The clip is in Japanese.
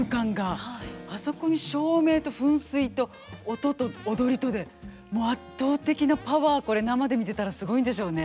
あそこに照明と噴水と音と踊りとでもう圧倒的なパワーこれ生で見てたらすごいんでしょうね。